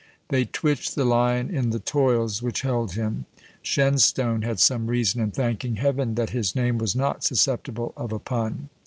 They twitched the lion in the toils which held him. Shenstone had some reason in thanking Heaven that his name was not susceptible of a pun.